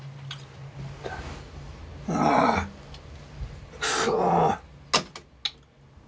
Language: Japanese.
ああくそう！